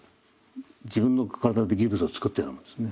自分の体でギプスを作ったようなもんですね。